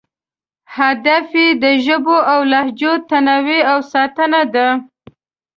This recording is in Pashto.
هدف یې د ژبو او لهجو تنوع او ساتنه ده.